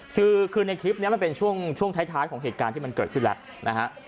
คือคือในคลิปนี้มันเป็นช่วงท้ายของเหตุการณ์ที่มันเกิดขึ้นแล้วนะฮะ